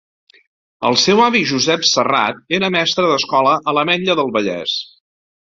El seu avi Josep Serrat era mestre d'escola a l'Ametlla del Vallès.